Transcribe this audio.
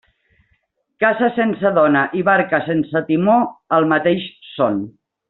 Casa sense dona i barca sense timó, el mateix són.